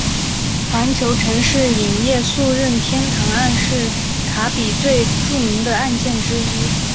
环球城市影业诉任天堂案是卡比最著名的案件之一。